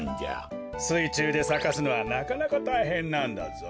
すいちゅうでさかすのはなかなかたいへんなんだぞ。